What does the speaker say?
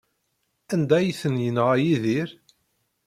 Anda ay ten-yenɣa Yidir?